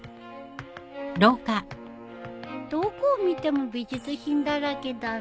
どこを見ても美術品だらけだね。